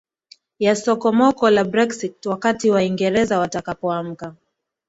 ya sokomoko la Brexit Wakati Waingereza watakapoamka